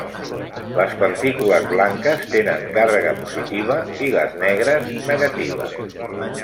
Les partícules blanques tenen càrrega positiva i les negres negativa.